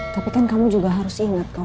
tapi kan kamu juga harus ingat kan